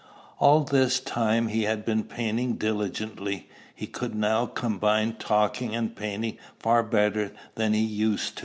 All this time he had been painting diligently. He could now combine talking and painting far better than he used.